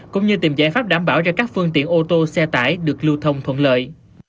cũng như tìm giải pháp đảm bảo cho các phương tiện ô tô xe tải được lưu thông thuận lợi